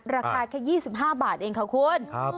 ราคาแค่๒๕บาทเองค่ะคุณ